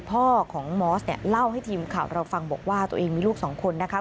พ่อของมอสเนี่ยเล่าให้ทีมข่าวเราฟังบอกว่าตัวเองมีลูกสองคนนะคะ